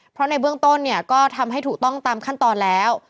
เพราะในเบื้องต้นเนี่ยก็ทำให้ถูกต้องตามขั้นตอนแล้ว